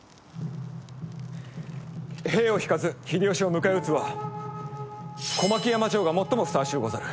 兵を引かず秀吉を迎え討つは小牧山城が最もふさわしゅうござる。